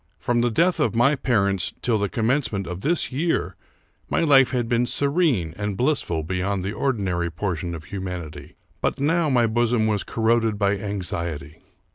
From the death of my parents till the commencement of this year my life had been serene and blissful beyond the ordinary portion of humanity ; but now my bosom was corroded by anxiety.